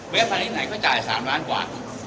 เวทพะนี้ไหนก็จ่าย๓ล้านกว่า